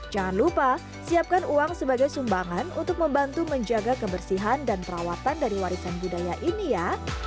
jangan lupa siapkan uang sebagai sumbangan untuk membantu menjaga kebersihan dan perawatan dari warisan budaya ini ya